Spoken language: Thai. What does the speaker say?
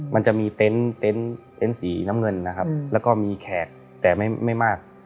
มันจะมีเต็นต์สีน้ำเงินนะครับแล้วก็มีแขกแต่ไม่มาก